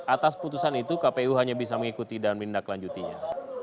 atas putusan itu kpu hanya bisa mengikuti dan menindaklanjutinya